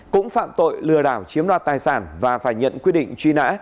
cũng phạm tội lừa đảo chiếm đoạt tài sản và phải nhận quyết định truy nã